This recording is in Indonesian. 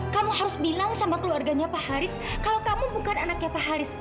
kamu harus bilang sama keluarganya pak haris kalau kamu bukan anaknya pak haris